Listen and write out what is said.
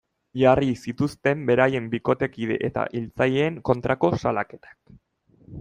Jarri zituzten beraien bikotekide eta hiltzaileen kontrako salaketak.